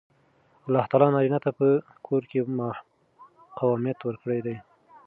الله تعالی نارینه ته په کور کې قوامیت ورکړی دی.